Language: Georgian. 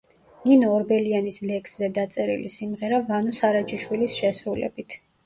ნინო ორბელიანის ლექსზე დაწერილი სიმღერა ვანო სარაჯიშვილის შესრულებით.